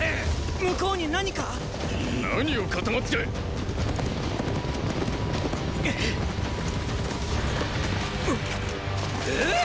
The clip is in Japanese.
向こうに何かっ⁉何を固まって⁉っ！！